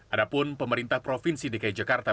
adapun pemerintah provinsi dki jakarta